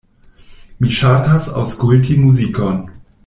Mi ŝatas aŭskulti muzikon.